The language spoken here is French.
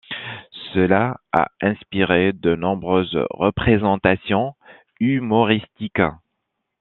Cela a inspiré de nombreuses représentations humoristiques.